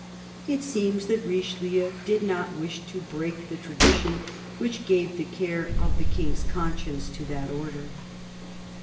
It seems that Richelieu did not wish to break the tradition which gave the care of the King's conscience to that Order.